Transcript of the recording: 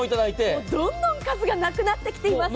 もうどんどん数がなくなってきています。